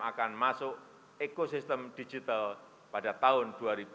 akan masuk ekosistem digital pada tahun dua ribu dua puluh